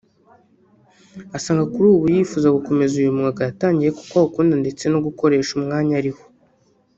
Asanga kuri ubu yifuza gukomeza uyu mwuga yatangiye kuko awukunda ndetse no gukoresha umwanya ariho